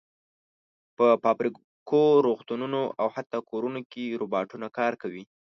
په فابریکو، روغتونونو او حتی کورونو کې روباټونه کار کوي.